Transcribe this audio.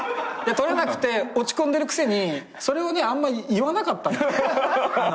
取れなくて落ち込んでるくせにそれをあんま言わなかったの。